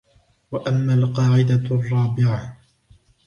وَأَمَّا الْقَاعِدَةُ الرَّابِعَةُ